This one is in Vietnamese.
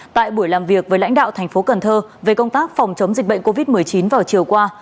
tại buổi làm việc với lãnh đạo thành phố cần thơ về công tác phòng chống dịch bệnh covid một mươi chín vào chiều qua